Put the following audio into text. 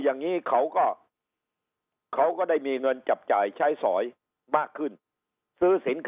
อย่างนี้เขาก็เขาก็ได้มีเงินจับจ่ายใช้สอยมากขึ้นซื้อสินค้า